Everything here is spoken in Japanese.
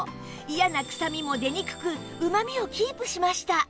嫌な臭みも出にくくうま味をキープしました